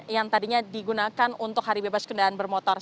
yang tadinya digunakan untuk hari bebas kendaraan bermotor